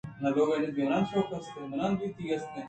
کہ آ وتی کسانیں شاہاں آئی ءَ بہ دِینت